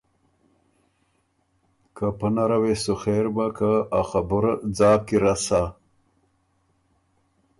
که پۀ نره وې سو خېر بۀ که ا خبُره ځاک کی رسا۔